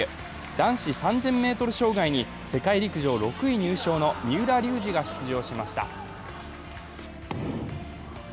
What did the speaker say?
男子３０００ｍ障害に世界陸上６位入賞の三浦龍司が出場しました。